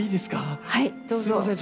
すいません。